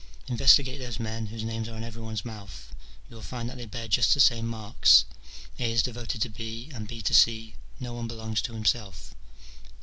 Investigate those men, whose names are in every one's mouth : you will find that they bear just the same marks : A is devoted to B, and B to C : no one belongs to himself.